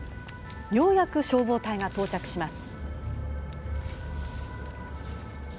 ようやく消防隊が到着します。